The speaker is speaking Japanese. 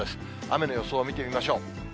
雨の予想を見てみましょう。